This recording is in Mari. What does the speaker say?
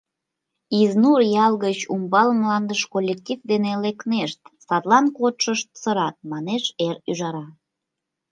«Изнур ял гыч умбал мландыш коллектив дене лекнешт, садлан кодшышт сырат», — манеш «Эр ӱжара».